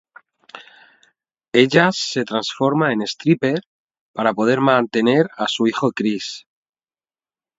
Ella se transforma en stripper para poder mantener a su hijo Chris.